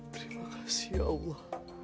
terima kasih allah